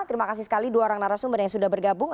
terima kasih sekali dua orang narasumber yang sudah bergabung